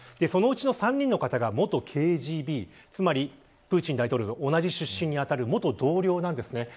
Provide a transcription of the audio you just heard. その内の３人の方が元ＫＧＢつまりプーチン大統領と同じ出身にあたる元同僚です。